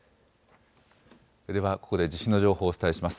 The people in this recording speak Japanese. ではここで地震の情報をお伝えします。